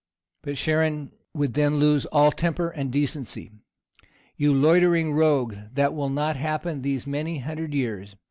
But Charon would then lose all temper and decency. 'You loitering rogue, that will not happen these many hundred years.